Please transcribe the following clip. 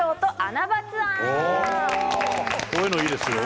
こういうのいいですよ。